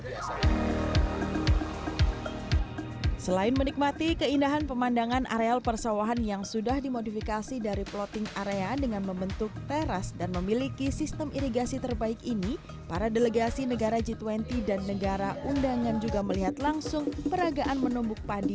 kasdi menekankan pengelolaan area persawahan jatiluwi dilakukan dengan menerapkan sistem pertanian berbasis budaya yang ramah lingkungan dan berkelanjutan sehingga tahan terhadap hantaman pandemi covid sembilan belas